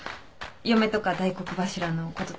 嫁とか大黒柱のこととか。